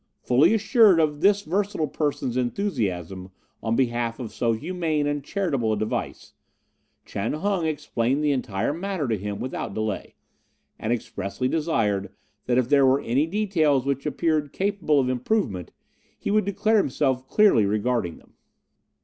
Fully assured of this versatile person's enthusiasm on behalf of so humane and charitable a device, Chan Hung explained the entire matter to him without delay, and expressly desired that if there were any details which appeared capable of improvement, he would declare himself clearly regarding them.